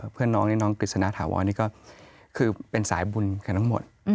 เพื่อนน้องนี่น้องกฤษณะถาวรนี่ก็คือเป็นสายบุญกันทั้งหมด